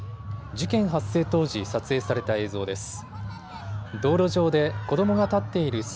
事件発生当時、撮影された映像です。